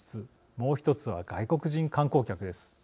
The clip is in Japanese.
もう１つは外国人観光客です。